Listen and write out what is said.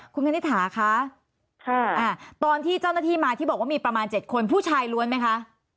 คุณคณิตหาคะตอนที่เจ้าหน้าที่มาที่บอกว่ามีประมาณ๗คนผู้ชายล้วนไหมคะ